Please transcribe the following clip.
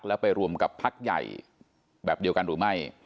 แล้วไปรวมกับพักใหญ่แบบเดียวกันหรือไม่